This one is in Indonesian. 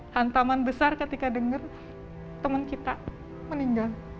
hantaman besar ketika denger teman kita meninggal